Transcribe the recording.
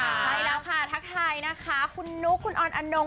ใช่แล้วค่ะทักทายนะคะคุณนุ๊กคุณออนอนง